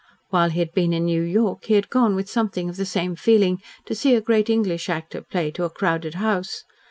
While he had been in New York, he had gone with something of the same feeling to see a great English actor play to a crowded house.